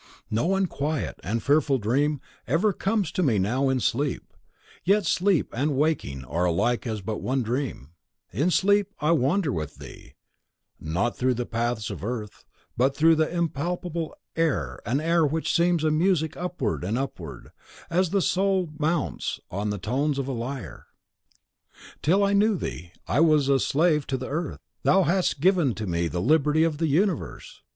No unquiet and fearful dream ever comes to me now in sleep, yet sleep and waking are alike but as one dream. In sleep I wander with thee, not through the paths of earth, but through impalpable air an air which seems a music upward and upward, as the soul mounts on the tones of a lyre! Till I knew thee, I was as a slave to the earth. Thou hast given to me the liberty of the universe!